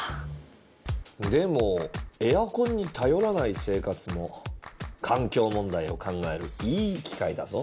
でもエアコンに頼らない生活も環境問題を考えるいい機会だぞ。